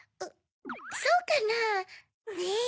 そうかな？ねぇ。